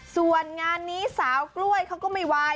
ส่วนงานนี้สาวกล้วยเขาก็ไม่ไหว